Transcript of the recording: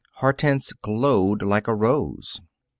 Hortense glowed like a rose.